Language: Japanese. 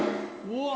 うわ！